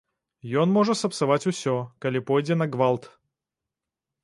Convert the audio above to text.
Ён можа сапсаваць усё, калі пойдзе на гвалт.